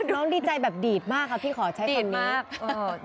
น้องดีใจแบบดีดมากค่ะพี่ขอใช้คำนี้